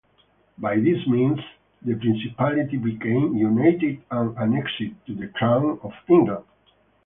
By this means the principality became "united and annexed" to the Crown of England.